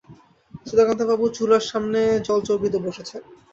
সুধাকান্তবাবু চুলার সামনে জলচৌকিতে বসেছেন।